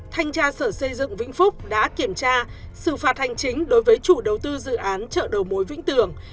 thanh tra sở xây dựng vĩnh phúc đã kiểm tra xử phạt hành chính đối với chủ đầu tư dự án chợ đầu mối vĩnh tường